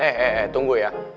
eh eh tunggu ya